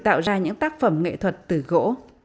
tạo ra những tác phẩm nghệ thuật từ gỗ